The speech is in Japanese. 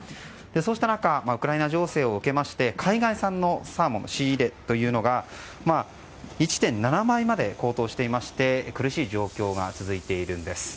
そうした中ウクライナ情勢を受けまして海外産のサーモンの仕入れ値が１．７倍まで高騰していまして苦しい状況が続いているんです。